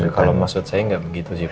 kalau maksud saya nggak begitu sih